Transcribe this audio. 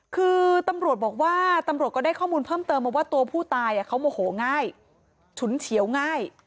คือตำรวจบอกว่าตำรวจก็ได้ข้อมูลเพิ่มเติมมาว่าตัวผู้ตายเขาโมโหง่ายฉุนเฉียวง่าย